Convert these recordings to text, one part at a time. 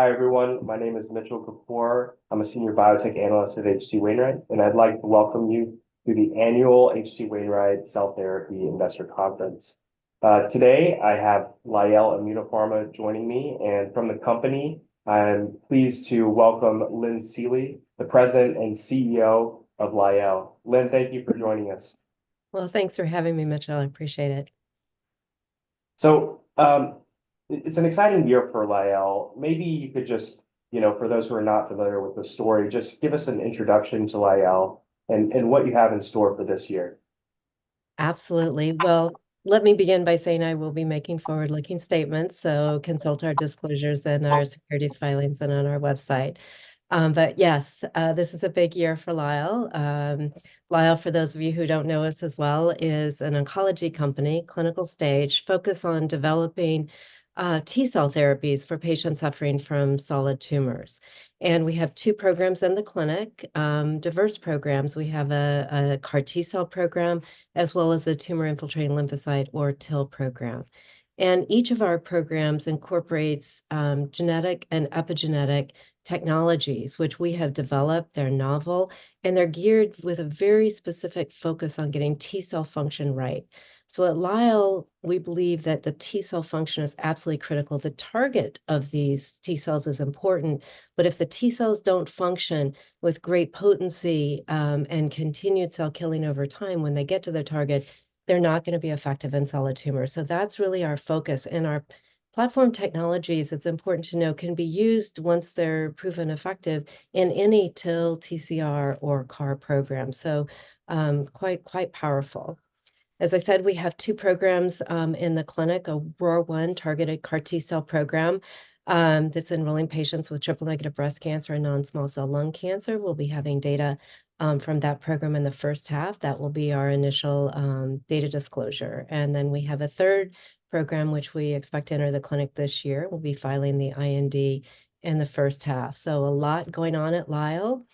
Hi, everyone. My name is Mitchell Kapoor. I'm a Senior Biotech Analyst of H.C. Wainwright, and I'd like to welcome you to the annual H.C. Wainwright Cell Therapy Investor Conference. Today, I have Lyell Immunopharma joining me, and from the company, I'm pleased to welcome Lynn Seely, the President and CEO of Lyell. Lynn, thank you for joining us. Well, thanks for having me, Mitchell. I appreciate it. So, it's an exciting year for Lyell. Maybe you could just, you know, for those who are not familiar with the story, just give us an introduction to Lyell and, and what you have in store for this year. Absolutely. Well, let me begin by saying I will be making forward-looking statements, so consult our disclosures and our securities filings and on our website. But yes, this is a big year for Lyell. Lyell, for those of you who don't know us as well, is an oncology company, clinical stage, focused on developing T-cell therapies for patients suffering from solid tumors. And we have two programs in the clinic, diverse programs. We have a CAR T-cell program, as well as a tumor-infiltrating lymphocyte, or TIL program. And each of our programs incorporates genetic and epigenetic technologies, which we have developed. They're novel, and they're geared with a very specific focus on getting T-cell function right. So at Lyell, we believe that the T-cell function is absolutely critical. The target of these T-cells is important, but if the T-cells don't function with great potency, and continued cell killing over time, when they get to the target, they're not gonna be effective in solid tumors, so that's really our focus. And our platform technologies, it's important to know, can be used once they're proven effective in any TIL, TCR, or CAR program, so, quite, quite powerful. As I said, we have two programs, in the clinic, a ROR1-targeted CAR T-cell program, that's enrolling patients with triple-negative breast cancer and non-small cell lung cancer. We'll be having data, from that program in the first half. That will be our initial, data disclosure. And then we have a third program, which we expect to enter the clinic this year. We'll be filing the IND in the first half, so a lot going on at Lyell.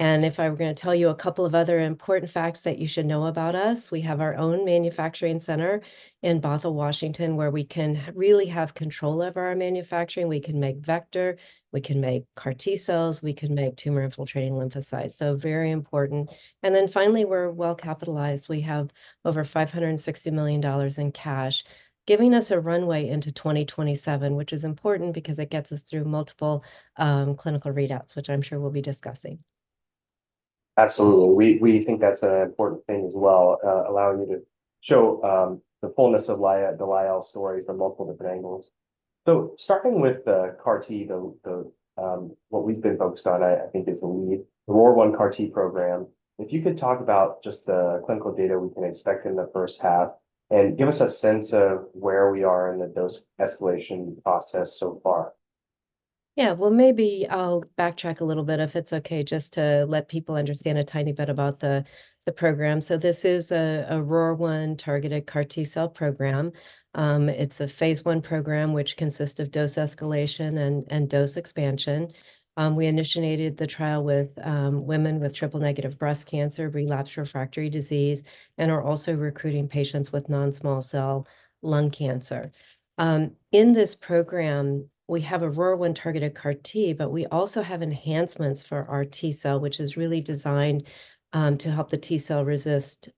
And if I were gonna tell you a couple of other important facts that you should know about us, we have our own manufacturing center in Bothell, Washington, where we can really have control over our manufacturing. We can make vector, we can make CAR T-cells, we can make tumor-infiltrating lymphocytes, so very important. And then finally, we're well-capitalized. We have over $560 million in cash, giving us a runway into 2027, which is important because it gets us through multiple clinical readouts, which I'm sure we'll be discussing. Absolutely. We, we think that's an important thing as well, allowing you to show the fullness of the Lyell story from multiple different angles. So starting with the CAR T, what we've been focused on, I think is the lead, the ROR1 CAR T program, if you could talk about just the clinical data we can expect in the first half, and give us a sense of where we are in the dose escalation process so far. Yeah. Well, maybe I'll backtrack a little bit, if it's okay, just to let people understand a tiny bit about the program. So this is a ROR1-targeted CAR T-cell program. It's a phase I program, which consists of dose escalation and dose expansion. We initiated the trial with women with triple-negative breast cancer, relapsed refractory disease, and are also recruiting patients with non-small cell lung cancer. In this program, we have a ROR1-targeted CAR T, but we also have enhancements for our T-cell, which is really designed to help the T-cell resist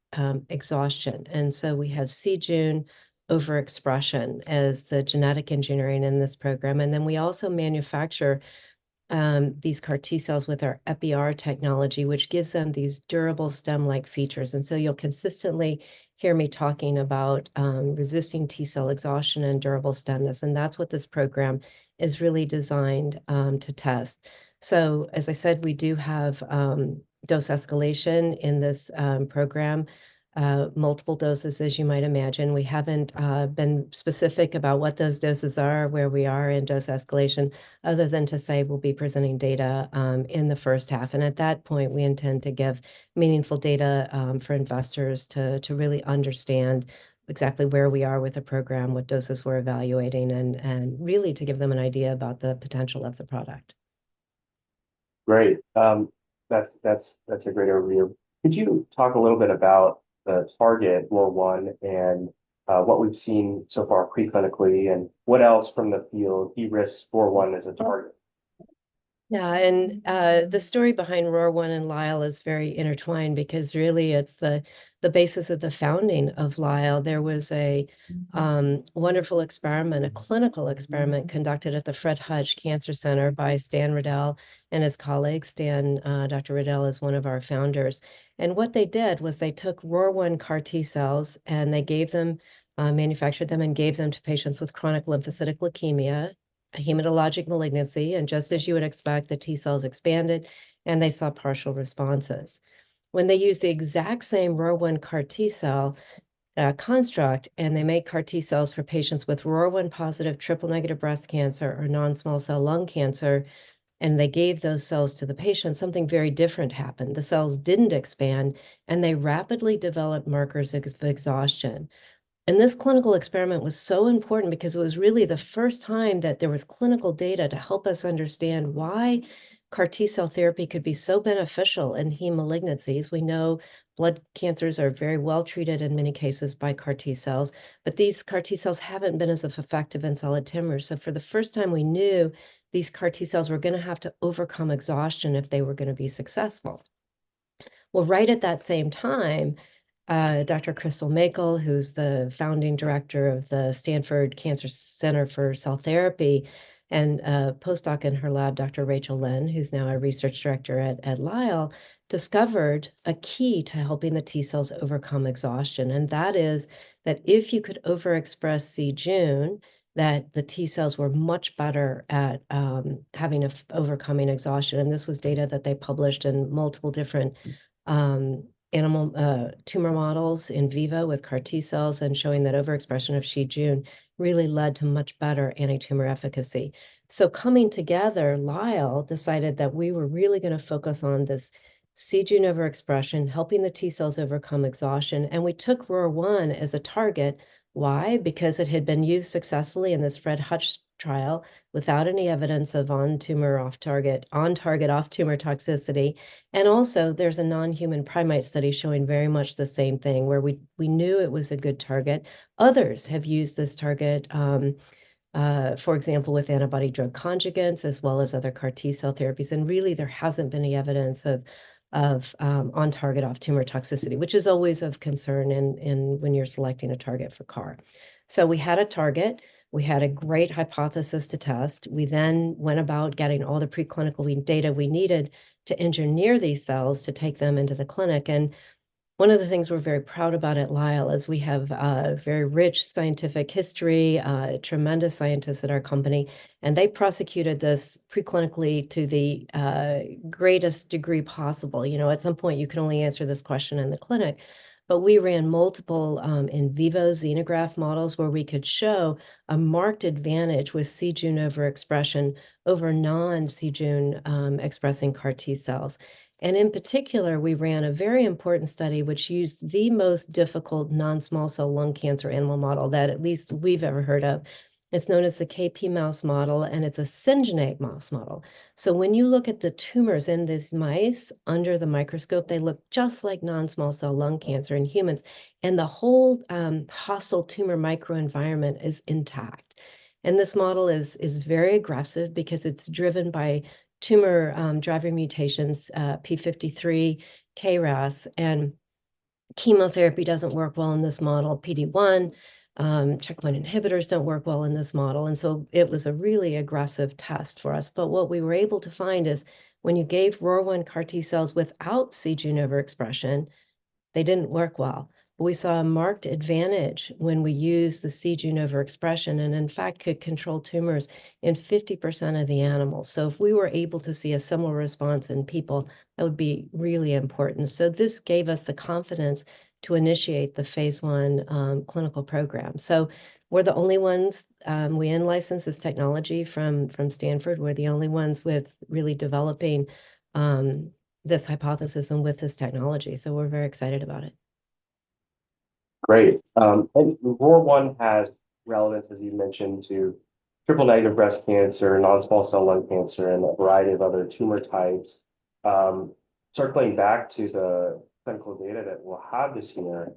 exhaustion, and so we have c-Jun overexpression as the genetic engineering in this program. And then we also manufacture these CAR T-cells with our Epi-R technology, which gives them these durable stem-like features, and so you'll consistently hear me talking about resisting T-cell exhaustion and durable stemness, and that's what this program is really designed to test. So as I said, we do have dose escalation in this program, multiple doses, as you might imagine. We haven't been specific about what those doses are, where we are in dose escalation, other than to say we'll be presenting data in the first half, and at that point, we intend to give meaningful data for investors to really understand exactly where we are with the program, what doses we're evaluating, and really to give them an idea about the potential of the product. Great. That's a great overview. Could you talk a little bit about the target, ROR1, and what we've seen so far pre-clinically, and what else from the field de-risks ROR1 as a target? Yeah, and the story behind ROR1 and Lyell is very intertwined because really it's the basis of the founding of Lyell. There was a wonderful experiment, a clinical experiment conducted at the Fred Hutch Cancer Center by Stan Riddell and his colleagues. Stan, Dr. Riddell, is one of our founders. And what they did was they took ROR1 CAR T-cells, manufactured them and gave them to patients with chronic lymphocytic leukemia, a hematologic malignancy, and just as you would expect, the T-cells expanded, and they saw partial responses. When they used the exact same ROR1 CAR T-cell construct, and they made CAR T-cells for patients with ROR1-positive triple-negative breast cancer or non-small cell lung cancer, and they gave those cells to the patients, something very different happened. The cells didn't expand, and they rapidly developed markers of exhaustion. And this clinical experiment was so important because it was really the first time that there was clinical data to help us understand why CAR T-cell therapy could be so beneficial in heme malignancies. We know blood cancers are very well-treated in many cases by CAR T-cells, but these CAR T-cells haven't been as effective in solid tumors. So for the first time, we knew these CAR T-cells were gonna have to overcome exhaustion if they were gonna be successful. Well, right at that same time, Dr. Crystal Mackall, who's the founding director of the Stanford Cancer Center for Cell Therapy, and a postdoc in her lab, Dr. Rachel Lynn, who's now a research director at Lyell, discovered a key to helping the T-cells overcome exhaustion. And that is, that if you could overexpress c-Jun, that the T-cells were much better at overcoming exhaustion, and this was data that they published in multiple different animal tumor models in vivo with CAR T-cells, and showing that overexpression of c-Jun really led to much better anti-tumor efficacy. So coming together, Lyell decided that we were really gonna focus on this c-Jun overexpression, helping the T-cells overcome exhaustion, and we took ROR1 as a target. Why? Because it had been used successfully in this Fred Hutch trial, without any evidence of on-tumor, off-target, on-target, off-tumor toxicity. And also, there's a non-human primate study showing very much the same thing, where we knew it was a good target. Others have used this target, for example, with antibody drug conjugates, as well as other CAR T-cell therapies, and really, there hasn't been any evidence of on-target, off-tumor toxicity, which is always of concern in when you're selecting a target for CAR. So we had a target. We had a great hypothesis to test. We then went about getting all the preclinical data we needed to engineer these cells to take them into the clinic. And one of the things we're very proud about at Lyell is we have a very rich scientific history, tremendous scientists at our company, and they prosecuted this preclinically to the greatest degree possible. You know, at some point, you can only answer this question in the clinic. But we ran multiple in vivo xenograft models, where we could show a marked advantage with c-Jun overexpression over non-c-Jun expressing CAR T-cells. And in particular, we ran a very important study, which used the most difficult non-small cell lung cancer animal model that at least we've ever heard of. It's known as the KP mouse model, and it's a syngeneic mouse model. So when you look at the tumors in these mice under the microscope, they look just like non-small cell lung cancer in humans, and the whole hostile tumor microenvironment is intact. And this model is very aggressive because it's driven by tumor driving mutations, p53, KRAS. And chemotherapy doesn't work well in this model. PD-1 checkpoint inhibitors don't work well in this model, and so it was a really aggressive test for us. But what we were able to find is, when you gave ROR1 CAR T-cells without c-Jun overexpression, they didn't work well. But we saw a marked advantage when we used the c-Jun overexpression, and in fact, could control tumors in 50% of the animals. So if we were able to see a similar response in people, that would be really important. So this gave us the confidence to initiate the phase I clinical program. So we're the only ones, we in-licensed this technology from Stanford. We're the only ones really developing this hypothesis and with this technology, so we're very excited about it. Great. And ROR1 has relevance, as you mentioned, to triple-negative breast cancer, non-small cell lung cancer, and a variety of other tumor types. Circling back to the clinical data that we'll have this year,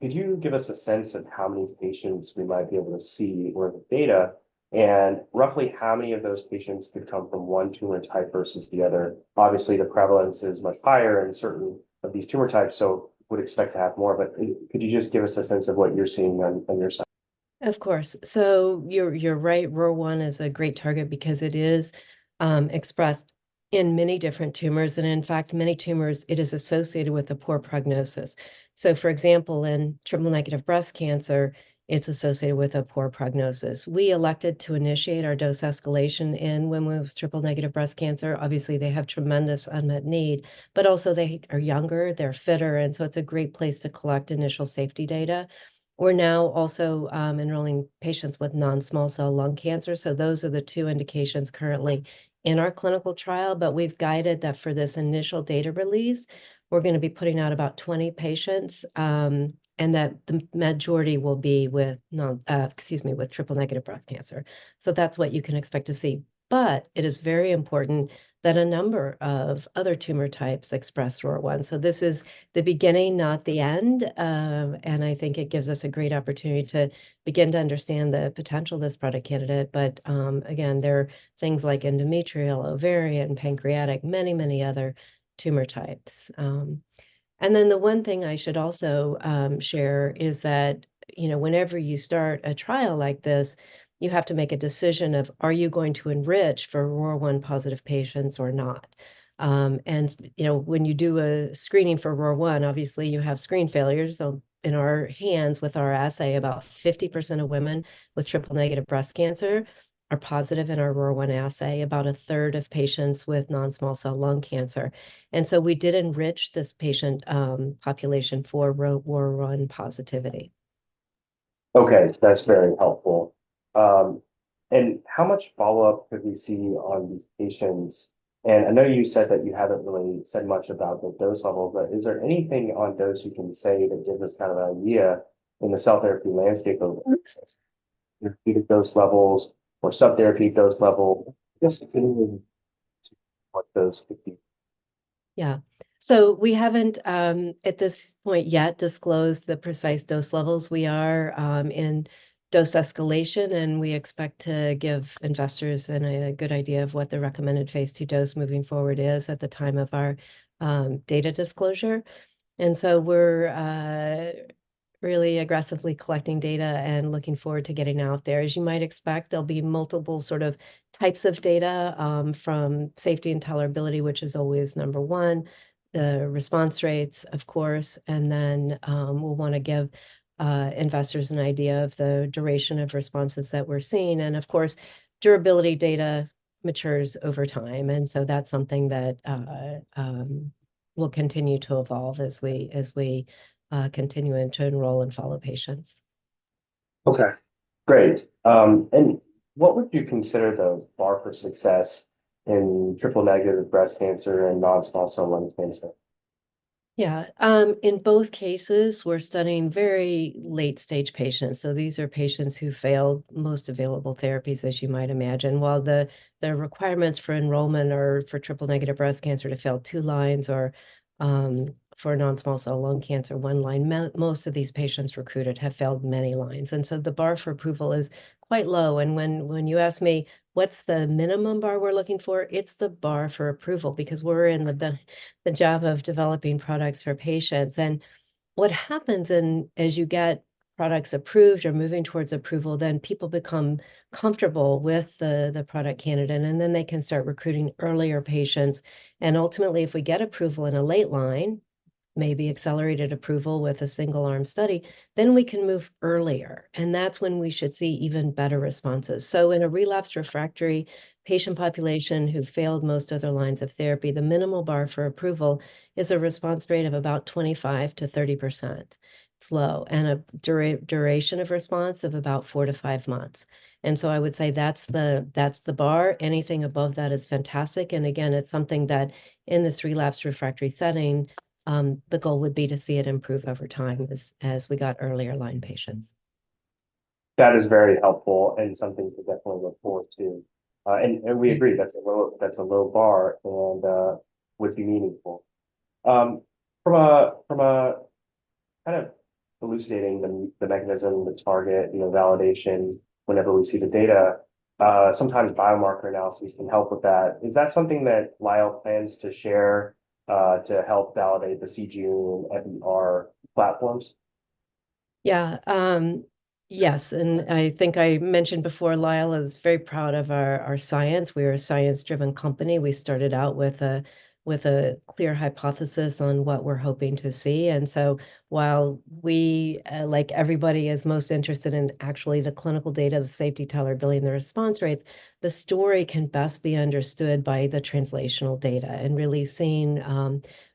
could you give us a sense of how many patients we might be able to see with the data, and roughly how many of those patients could come from one tumor type versus the other? Obviously, the prevalence is much higher in certain of these tumor types, so would expect to have more, but could you just give us a sense of what you're seeing on your side? Of course. So you're, you're right. ROR1 is a great target because it is expressed in many different tumors, and in fact, many tumors, it is associated with a poor prognosis. So, for example, in triple-negative breast cancer, it's associated with a poor prognosis. We elected to initiate our dose escalation in women with triple-negative breast cancer. Obviously, they have tremendous unmet need, but also, they are younger, they're fitter, and so it's a great place to collect initial safety data. We're now also enrolling patients with non-small cell lung cancer, so those are the two indications currently in our clinical trial. But we've guided that for this initial data release, we're gonna be putting out about 20 patients, and that the majority will be with, excuse me, triple-negative breast cancer. So that's what you can expect to see. But it is very important that a number of other tumor types express ROR1, so this is the beginning, not the end. And I think it gives us a great opportunity to begin to understand the potential of this product candidate. But, again, there are things like endometrial, ovarian, pancreatic, many, many other tumor types. And then the one thing I should also share is that, you know, whenever you start a trial like this, you have to make a decision of: Are you going to enrich for ROR1-positive patients or not? And, you know, when you do a screening for ROR1, obviously you have screen failures. So in our hands, with our assay, about 50% of women with triple-negative breast cancer are positive in our ROR1 assay, about a third of patients with non-small cell lung cancer. And so we did enrich this patient population for ROR1 positivity. Okay, that's very helpful. How much follow-up could we see on these patients? I know you said that you haven't really said much about the dose level, but is there anything on dose you can say that gives us kind of an idea in the cell therapy landscape of. Mm-hmm Dose levels or subtherapeutic dose level? Just anything what those could be. Yeah. So we haven't at this point yet disclosed the precise dose levels. We are in dose escalation, and we expect to give investors a good idea of what the recommended phase II dose moving forward is at the time of our data disclosure. And so we're really aggressively collecting data and looking forward to getting out there. As you might expect, there'll be multiple sort of types of data from safety and tolerability, which is always number one, the response rates, of course, and then we'll wanna give investors an idea of the duration of responses that we're seeing. And of course, durability data matures over time, and so that's something that will continue to evolve as we continue to enroll and follow patients. Okay, great. And what would you consider the bar for success in triple-negative breast cancer and non-small cell lung cancer? Yeah. In both cases, we're studying very late-stage patients, so these are patients who failed most available therapies, as you might imagine. While the requirements for enrollment are for triple-negative breast cancer to fail two lines or for non-small cell lung cancer, one line, most of these patients recruited have failed many lines, and so the bar for approval is quite low. And when you ask me, what's the minimum bar we're looking for? It's the bar for approval, because we're in the job of developing products for patients. And what happens then as you get products approved or moving towards approval, then people become comfortable with the product candidate, and then they can start recruiting earlier patients. Ultimately, if we get approval in a late line, maybe accelerated approval with a single-arm study, then we can move earlier, and that's when we should see even better responses. In a relapsed refractory patient population who failed most other lines of therapy, the minimal bar for approval is a response rate of about 25%-30%. It's low, and a duration of response of about four to five months, and I would say that's the bar. Anything above that is fantastic, and again, it's something that, in this relapsed refractory setting, the goal would be to see it improve over time as we got earlier line patients. That is very helpful and something to definitely look forward to. And we agree, that's a low bar, and would be meaningful. From a kind of elucidating the mechanism, the target, you know, validation whenever we see the data, sometimes biomarker analysis can help with that. Is that something that Lyell plans to share, to help validate the c-Jun and our platforms? Yeah, yes, and I think I mentioned before, Lyell is very proud of our science. We are a science-driven company. We started out with a clear hypothesis on what we're hoping to see. And so while we, like everybody, is most interested in actually the clinical data, the safety, tolerability, and the response rates, the story can best be understood by the translational data and really seeing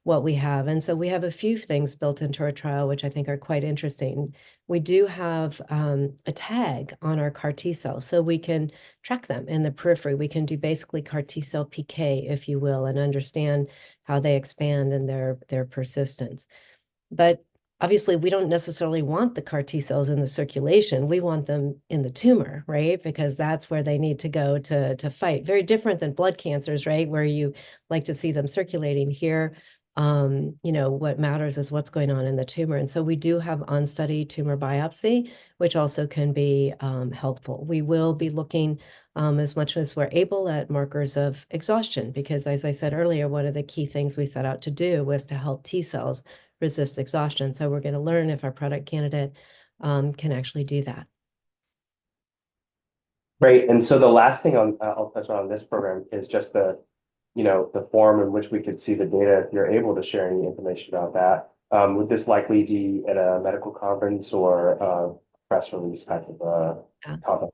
what we have. And so we have a few things built into our trial, which I think are quite interesting. We do have a tag on our CAR T cells, so we can track them in the periphery. We can do basically CAR T-cell PK, if you will, and understand how they expand and their persistence. But obviously, we don't necessarily want the CAR T cells in the circulation. We want them in the tumor, right? Because that's where they need to go to, to fight. Very different than blood cancers, right, where you like to see them circulating here. You know, what matters is what's going on in the tumor, and so we do have on-study tumor biopsy, which also can be helpful. We will be looking, as much as we're able, at markers of exhaustion, because, as I said earlier, one of the key things we set out to do was to help T-cells resist exhaustion, so we're gonna learn if our product candidate can actually do that. Great, and so the last thing I'll touch on this program is just the, you know, the form in which we could see the data, if you're able to share any information about that. Would this likely be at a medical conference or a press release type of a topic?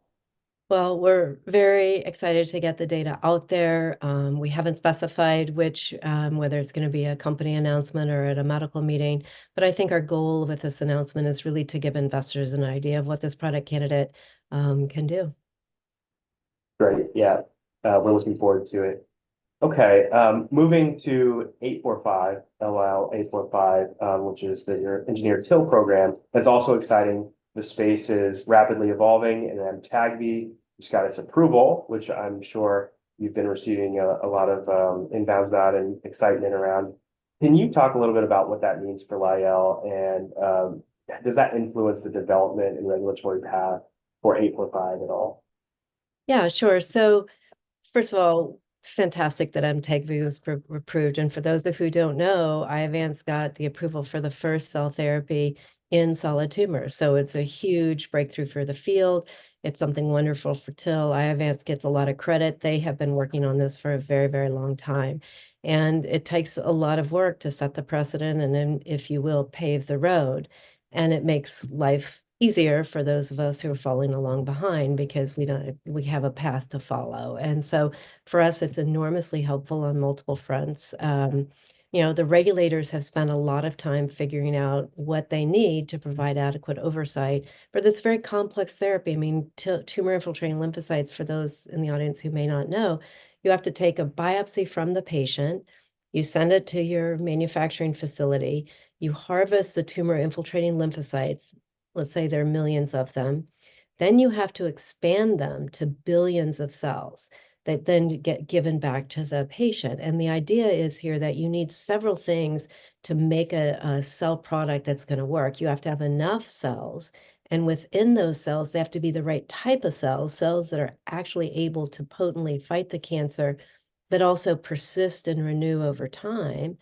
Well, we're very excited to get the data out there. We haven't specified which, whether it's gonna be a company announcement or at a medical meeting, but I think our goal with this announcement is really to give investors an idea of what this product candidate can do. Great. Yeah. We're looking forward to it. Okay, moving to 845, LYL845, which is that your engineered TIL program. That's also exciting. The space is rapidly evolving, and then Amtagvi just got its approval, which I'm sure you've been receiving a lot of inbounds about and excitement around. Can you talk a little bit about what that means for Lyell, and does that influence the development and regulatory path for 845 at all? Yeah, sure. So, first of all, fantastic that Amtagvi was approved, and for those who don't know, Iovance got the approval for the first cell therapy in solid tumor. So it's a huge breakthrough for the field. It's something wonderful for TIL. Iovance gets a lot of credit. They have been working on this for a very, very long time, and it takes a lot of work to set the precedent, and then, if you will, pave the road. And it makes life easier for those of us who are following along behind because we have a path to follow. And so for us, it's enormously helpful on multiple fronts. You know, the regulators have spent a lot of time figuring out what they need to provide adequate oversight for this very complex therapy. I mean, tumor-infiltrating lymphocytes, for those in the audience who may not know, you have to take a biopsy from the patient, you send it to your manufacturing facility, you harvest the tumor-infiltrating lymphocytes. Let's say there are millions of them. Then you have to expand them to billions of cells that then get given back to the patient, and the idea is here that you need several things to make a cell product that's gonna work. You have to have enough cells, and within those cells, they have to be the right type of cells, cells that are actually able to potently fight the cancer, but also persist and renew over time.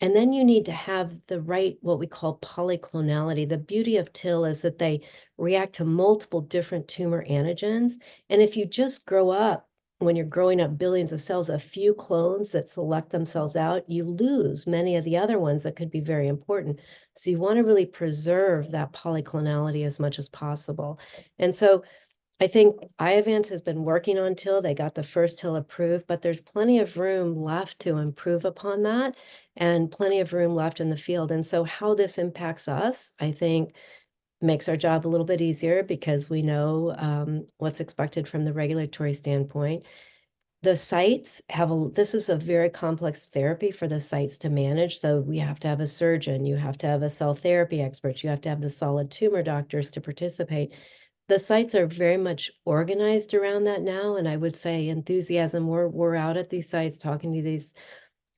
And then you need to have the right, what we call, polyclonal. The beauty of TIL is that they react to multiple different tumor antigens, and if you just grow up. When you're growing up billions of cells, a few clones that select themselves out, you lose many of the other ones that could be very important. So you wanna really preserve that polyclonality as much as possible. And so I think Iovance has been working on TIL. They got the first TIL approved, but there's plenty of room left to improve upon that, and plenty of room left in the field. And so how this impacts us, I think makes our job a little bit easier, because we know what's expected from the regulatory standpoint. The sites have. This is a very complex therapy for the sites to manage, so we have to have a surgeon, you have to have a cell therapy expert, you have to have the solid tumor doctors to participate. The sites are very much organized around that now, and I would say enthusiasm, we're, we're out at these sites talking to these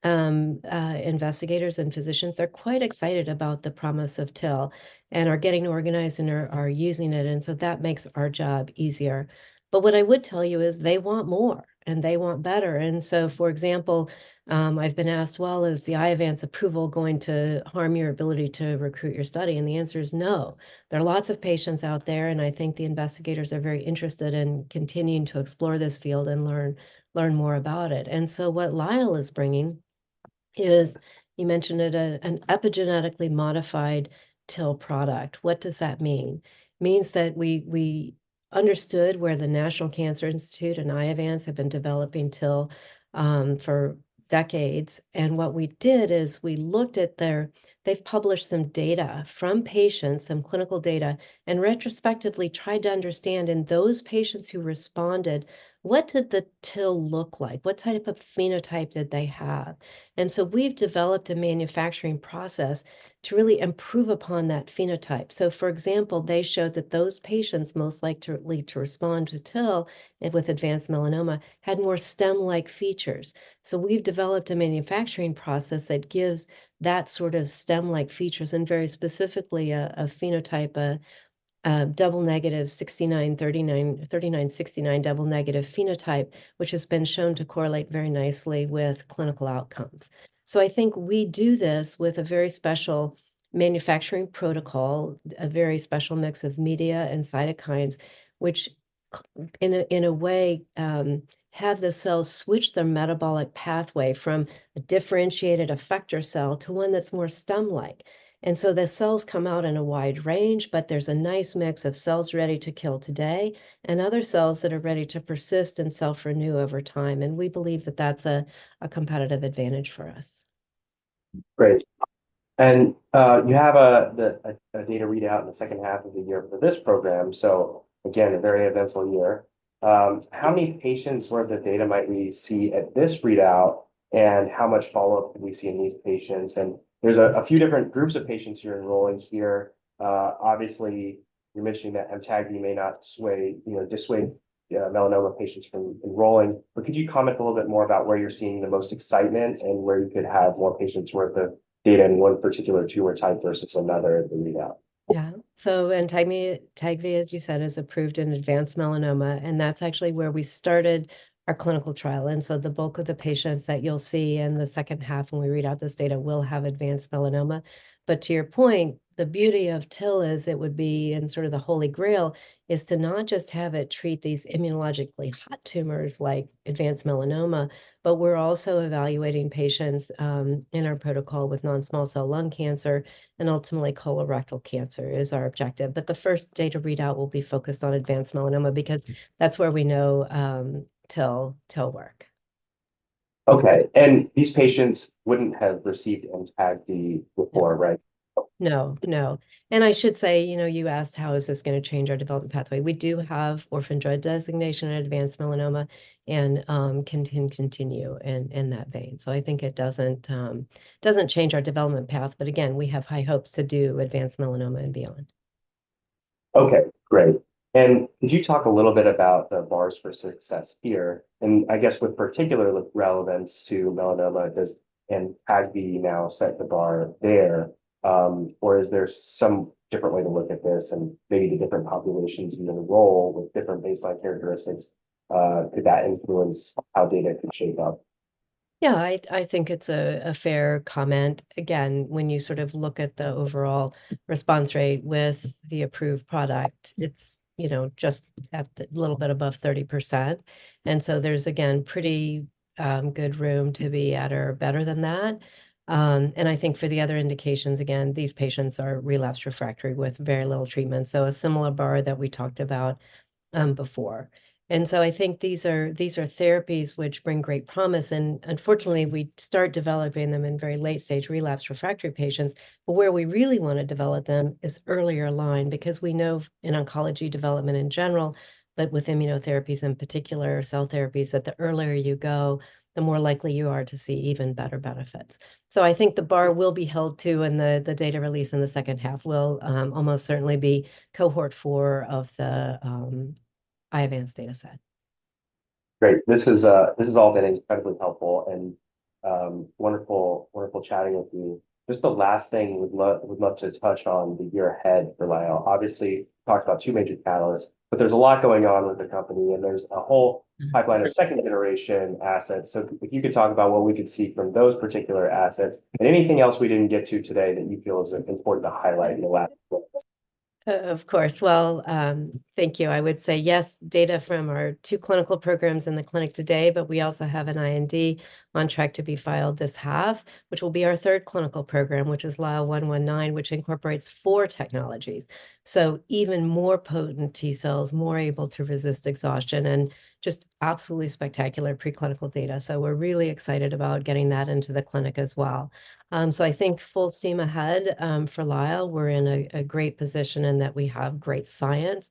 investigators and physicians. They're quite excited about the promise of TIL, and are getting organized and are using it, and so that makes our job easier. But what I would tell you is they want more, and they want better. And so, for example, I've been asked, well, is the Iovance approval going to harm your ability to recruit your study? And the answer is no. There are lots of patients out there, and I think the investigators are very interested in continuing to explore this field and learn more about it. And so what Lyell is bringing is, you mentioned it, an epigenetically modified TIL product. What does that mean? Means that we understood where the National Cancer Institute and Iovance have been developing TIL for decades, and what we did is we looked at their, they've published some data from patients, some clinical data, and retrospectively tried to understand, in those patients who responded, what did the TIL look like? What type of phenotype did they have? And so we've developed a manufacturing process to really improve upon that phenotype. So, for example, they showed that those patients most likely to respond to TIL with advanced melanoma had more stem-like features. So we've developed a manufacturing process that gives that sort of stem-like features, and very specifically, a CD39/CD69 double-negative phenotype, which has been shown to correlate very nicely with clinical outcomes. So I think we do this with a very special manufacturing protocol, a very special mix of media and cytokines, which, in a way, have the cells switch their metabolic pathway from a differentiated effector cell to one that's more stem-like. And so the cells come out in a wide range, but there's a nice mix of cells ready to kill today, and other cells that are ready to persist and self-renew over time, and we believe that that's a competitive advantage for us. Great. And you have a data readout in the second half of the year for this program, so again, a very eventful year. How many patients worth of data might we see at this readout, and how much follow-up do we see in these patients? And there's a few different groups of patients you're enrolling here. Obviously, you're mentioning that Amtagvi may not sway, you know, dissuade, melanoma patients from enrolling, but could you comment a little bit more about where you're seeing the most excitement, and where you could have more patients worth of data in one particular tumor type versus another in the readout? Yeah. So Amtagvi, as you said, is approved in advanced melanoma, and that's actually where we started our clinical trial. And so the bulk of the patients that you'll see in the second half, when we read out this data, will have advanced melanoma. But to your point, the beauty of TIL is it would be, and sort of the Holy Grail, is to not just have it treat these immunologically hot tumors, like advanced melanoma, but we're also evaluating patients in our protocol with non-small cell lung cancer, and ultimately, colorectal cancer is our objective. But the first data readout will be focused on advanced melanoma, because that's where we know TIL, TIL work. Okay, and these patients wouldn't have received Amtagvi before, right? No, no. And I should say, you know, you asked how is this gonna change our development pathway? We do have Orphan Drug Designation in advanced melanoma, and can continue in that vein. So I think it doesn't change our development path, but again, we have high hopes to do advanced melanoma and beyond. Okay, great. And could you talk a little bit about the bars for success here? And I guess with particular relevance to melanoma, does Amtagvi now set the bar there, or is there some different way to look at this, and maybe the different populations you enroll with different baseline characteristics, could that influence how data could shape up? Yeah, I think it's a fair comment. Again, when you sort of look at the overall response rate with the approved product, it's, you know, just a little bit above 30%. And so there's, again, pretty good room to be at or better than that. And I think for the other indications, again, these patients are relapsed refractory with very little treatment, so a similar bar that we talked about before. And so I think these are therapies which bring great promise, and unfortunately, we start developing them in very late stage relapse refractory patients. But where we really wanna develop them is earlier line, because we know in oncology development in general, but with immunotherapies in particular, cell therapies, that the earlier you go, the more likely you are to see even better benefits. I think the bar will be held to, and the data release in the second half will almost certainly be cohort 4 of the Iovance data set. Great. This is, this has all been incredibly helpful, and, wonderful, wonderful chatting with you. Just the last thing we'd love to touch on the year ahead for Lyell. Obviously, talked about two major catalysts, but there's a lot going on with the company, and there's a whole. Mm-hmm Pipeline of second generation assets. So if you could talk about what we could see from those particular assets, and anything else we didn't get to today that you feel is important to highlight in the last point. Of course. Well, thank you. I would say, yes, data from our two clinical programs in the clinic today, but we also have an IND on track to be filed this half, which will be our third clinical program, which is LYL119, which incorporates four technologies. So even more potent T-cells, more able to resist exhaustion, and just absolutely spectacular preclinical data. So we're really excited about getting that into the clinic as well. So I think full steam ahead for Lyell. We're in a great position in that we have great science,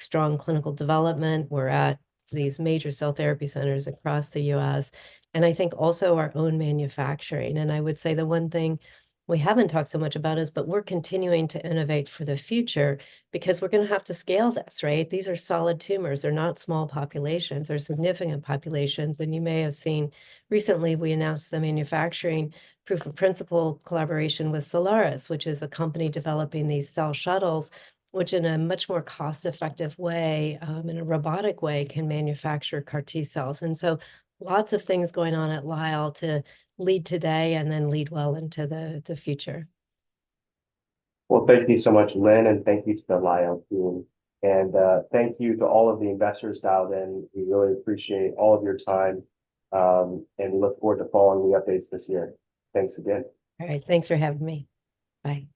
strong clinical development. We're at these major cell therapy centers across the U.S., and I think also our own manufacturing. And I would say the one thing we haven't talked so much about is, but we're continuing to innovate for the future, because we're gonna have to scale this, right? These are solid tumors. They're not small populations. They're significant populations, and you may have seen recently, we announced the manufacturing proof-of-principle collaboration with Cellares, which is a company developing these Cell Shuttles, which in a much more cost-effective way, in a robotic way, can manufacture CAR T-cells. And so lots of things going on at Lyell to lead today, and then lead well into the future. Well, thank you so much, Lynn, and thank you to the Lyell team. And, thank you to all of the investors dialed in. We really appreciate all of your time, and look forward to following the updates this year. Thanks again. All right. Thanks for having me. Bye.